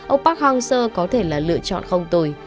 ông park hang seo có thể là lựa chọn không tồi